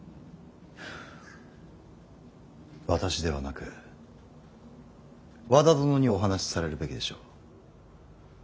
私ではなく和田殿にお話しされるべきでしょう。